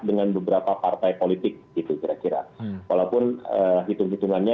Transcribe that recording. dengan beberapa partai politik itu kira kira walaupun hitung hitungannya